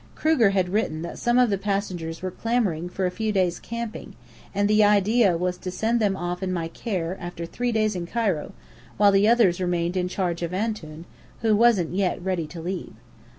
Kruger had written that some of the passengers were clamouring for a few days' camping, and the idea was to send them off in my care, after three days in Cairo, while the others remained in charge of Antoun, who wasn't yet ready to leave.